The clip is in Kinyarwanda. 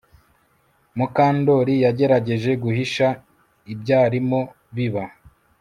Mukandoli yagerageje guhisha ibyarimo biba